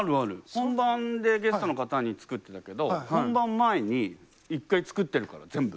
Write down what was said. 本番でゲストの方に作ってたけど本番前に１回作ってるから全部。